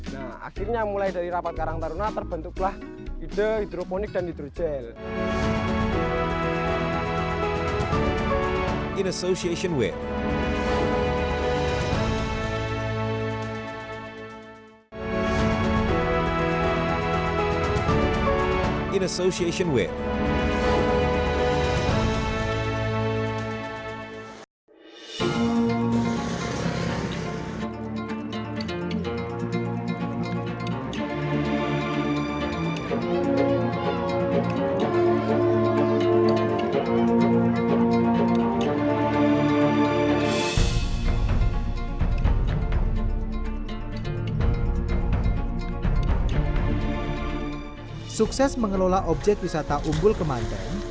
nah akhirnya mulai dari rapat karang taruna terbentuklah ide hidroponik dan hidrogel